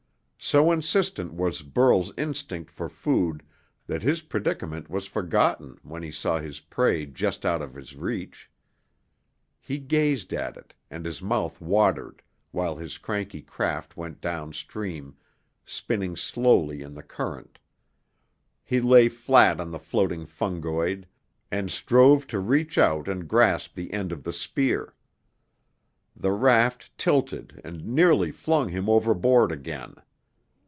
So insistent was Burl's instinct for food that his predicament was forgotten when he saw his prey just out of his reach. He gazed at it, and his mouth watered, while his cranky craft went downstream, spinning slowly in the current. He lay flat on the floating fungoid, and strove to reach out and grasp the end of the spear. The raft tilted and nearly flung him overboard again.